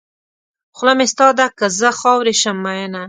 خوله مې ستا ده که زه خاورې شم مینه.